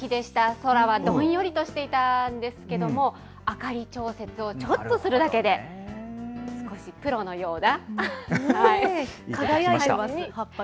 空はどんよりとしていたんですけれども、明かり調節をちょっとするだけで、少しプロのような。